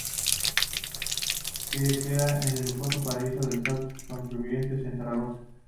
Que queda en el lujoso palacio de Sástago que construyen en Zaragoza.